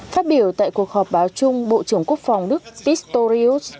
phát biểu tại cuộc họp báo chung bộ trưởng quốc phòng đức tistorius